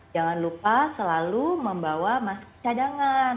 jangan lupa selalu membawa cadangan